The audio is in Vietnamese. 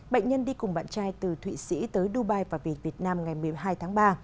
bệnh nhân đi cùng bạn trai từ thụy sĩ tới dubai và việt nam ngày một mươi hai tháng ba